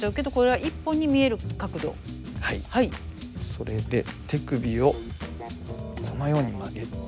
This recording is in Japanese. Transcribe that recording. それで手首をこのように曲げて。